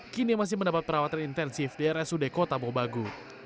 kini masih mendapat perawatan intensif di rsud kota bobagu